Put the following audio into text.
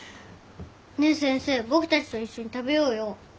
ねえ先生僕たちと一緒に食べようよ。